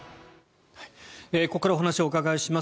ここからお話をお伺いします